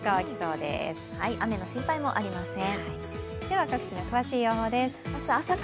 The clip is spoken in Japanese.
雨の心配もありません。